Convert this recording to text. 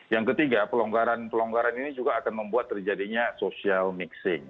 yang ketiga pelonggaran pelonggaran ini juga akan membuat terjadinya social mixing